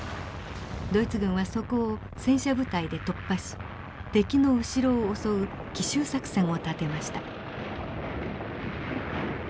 ドイツ軍はそこを戦車部隊で突破し敵の後ろを襲う奇襲作戦を立てました。